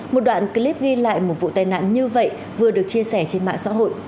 một đoạn clip ghi lại một vụ tai nạn như vậy vừa được chia sẻ trên mạng xã hội